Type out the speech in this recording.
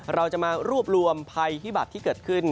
เราจะมารวบรวมภัยพิบัติที่เกิดขึ้น